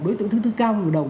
đối tượng thứ cao hơn một đồng